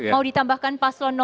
mau ditambahkan paslon satu